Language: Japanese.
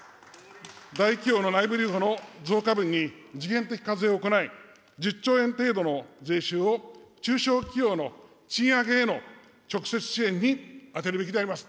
大企業の内部留保の増加分に時限的課税を行い、１０兆円程度の税収を中小企業の賃上げへの直接支援に充てるべきであります。